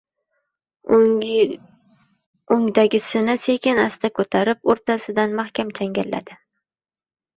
oʻngdagisini sekin-asta koʻtarib, oʻrtasidan mahkam changalladi.